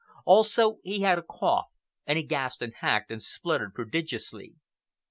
Also, he had a cough, and he gasped and hacked and spluttered prodigiously.